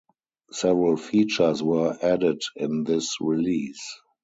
Several features were added in this release.